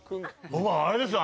僕はあれですよ